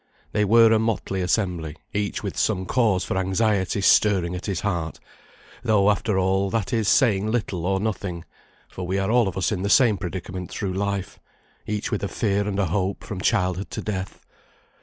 They were a motley assembly, each with some cause for anxiety stirring at his heart; though, after all, that is saying little or nothing, for we are all of us in the same predicament through life; each with a fear and a hope from childhood to death.